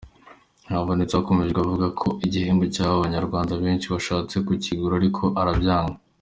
Ntihabose yakomeje avuga ko igihembo yahawe abanyamahanga benshi bashatse kukigura ariko arabyanga.